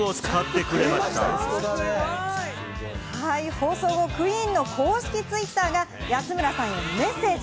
放送後、ＱＵＥＥＮの公式ツイッターが安村さんへメッセージ。